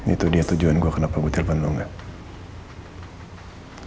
itu dia tujuan gue kenapa gue telfon lo gak